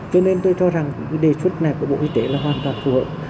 cho nên tôi cho rằng cái đề xuất này của bộ y tế là hoàn toàn phù hợp